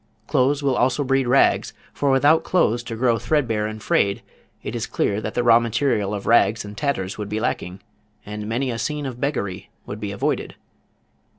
Clothes will also breed rags, for without clothes to grow threadbare and frayed, it is clear that the raw material of rags and tatters would be lacking, and many a scene of beggary would be avoided.